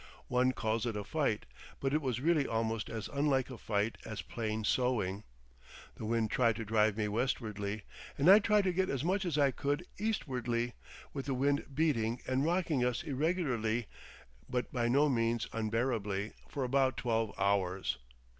One calls it a Fight, but it was really almost as unlike a fight as plain sewing. The wind tried to drive me westwardly, and I tried to get as much as I could eastwardly, with the wind beating and rocking us irregularly, but by no means unbearably, for about twelve hours.